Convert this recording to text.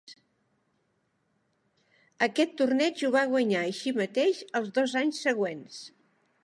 Aquest torneig ho va guanyar així mateix els dos anys següents.